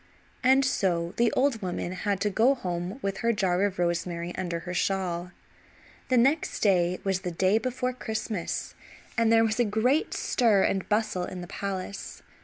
And so the old woman had to go home with her jar of rosemary under her shawl. The next day was the day before Christmas and there was a great stir and bustle in the palace.